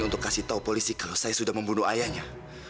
untuk kasih tahu polisi kalau saya sudah membunuh ayahnya